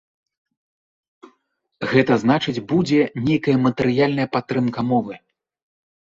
Гэта значыць, будзе нейкая матэрыяльная падтрымка мовы.